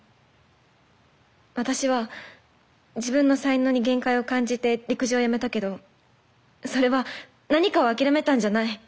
私は自分の才能に限界を感じて陸上をやめたけどそれは何かを諦めたんじゃない。